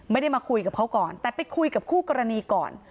ไม่ได้มาคุยกับเขาก่อนแต่ไปคุยกับคู่กรณีก่อน